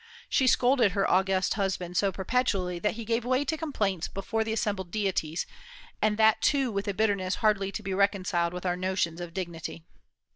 She scolded her august husband so perpetually that he gave way to complaints before the assembled deities, and that too with a bitterness hardly to be reconciled with our notions of dignity.